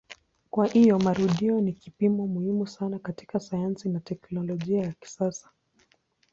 Kwa hiyo marudio ni kipimo muhimu sana katika sayansi na teknolojia ya kisasa.